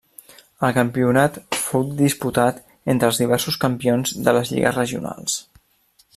El campionat fou diputat entre els diversos campions de les lligues regionals.